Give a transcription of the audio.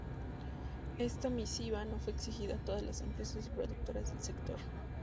Esta misiva no fue exigida a todas las empresas y productoras del sector.